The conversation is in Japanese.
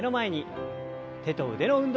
手と腕の運動から。